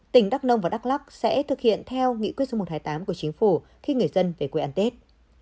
tỉnh đắk nông và đắk lắc sẽ thực hiện theo nghị quyết số một trăm hai mươi tám của chính phủ khi người dân về quê ăn tết